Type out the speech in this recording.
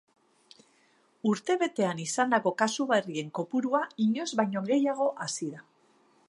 Urtebetean izandako kasu berrien kopurua inoiz baino gehiago hazi da.